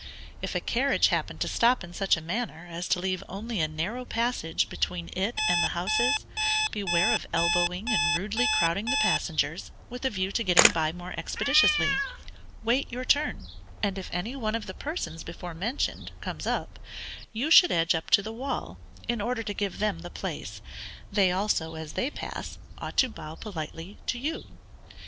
If a carriage happen to stop in such a manner as to leave only a narrow passage between it and the houses, beware of elbowing and rudely crowding the passengers, with a view to getting by more expeditiously: wait your turn, and if any one of the persons before mentioned comes up, you should edge up to the wall, in order to give them the place. They also, as they pass, ought to bow politely to you.